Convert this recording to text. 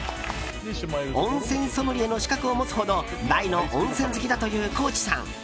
温泉ソムリエの資格を持つほど大の温泉好きだという高地さん。